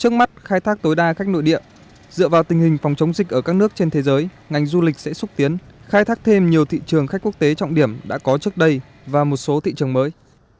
nội địa dựa vào tình hình phòng chống dịch ở các nước trên thế giới ngành du lịch sẽ xúc tiến khai thác thêm nhiều thị trường khách quốc tế trọng điểm đã có trước đây và một số thị trường mới